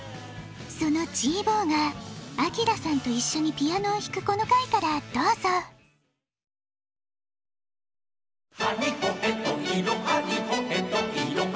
そのチーボーがアキラさんと一緒にピアノをひくこの回からどうぞ「はにほへといろはにほへといろは」